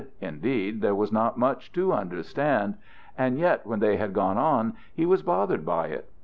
Indeed there was not much to understand. And yet, when they had gone on, he was bothered by it.